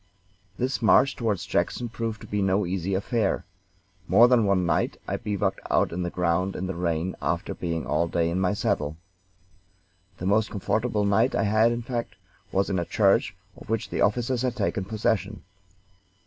This march toward Jackson proved to be no easy affair. More than one night I bivouacked on the ground in the rain after being all day in my saddle. The most comfortable night I had, in fact, was in a church of which the officers had taken possession.